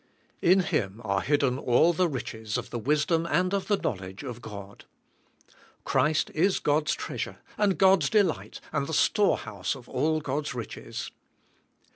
In Him are hidden all the riches of the wisdom and of the knowledge of God. Christ is God's treasure, and God's delight, and the storehouse of all God's riches.